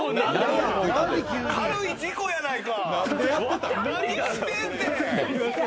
軽い事故やないか。